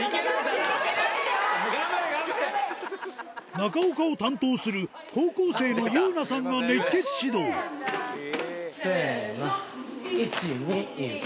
中岡を担当する高校生のゆうなさんが熱血指導せの１・２・３。